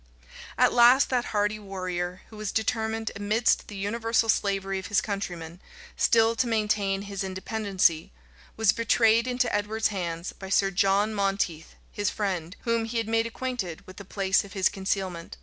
At last that hardy warrior, who was determined, amidst the universal slavery of his countrymen, still to maintain his independency, was betrayed into Edward's hands by Sir John Monteith, his friend, whom he had made acquainted with the place of his concealment.